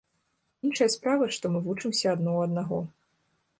Іншая справа, што мы вучымся адно ў аднаго.